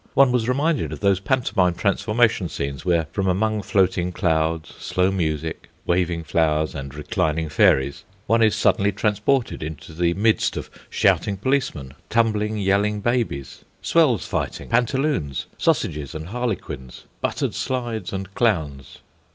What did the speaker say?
One was reminded of those pantomime transformation scenes where, from among floating clouds, slow music, waving flowers, and reclining fairies, one is suddenly transported into the midst of shouting policemen tumbling yelling babies, swells fighting pantaloons, sausages and harlequins, buttered slides and clowns.